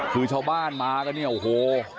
คือชาวบ้านมากันเนี่ยโอ้โห